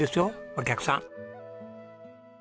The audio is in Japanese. お客さん。